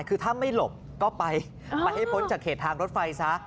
คือถ้าไม่หลบก็ไปไปให้พ้นจากเขตทางรถไฟซะ